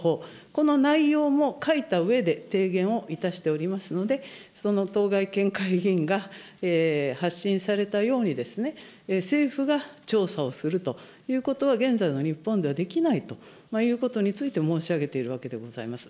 この内容も書いたうえで提言をいたしておりますので、当該議員が発信されたように政府が調査をするということは現在の日本ではできないということについて、申し上げているわけでございます。